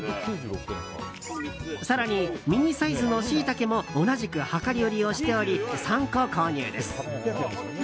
更に、ミニサイズのシイタケも同じく量り売りをしており３個購入です。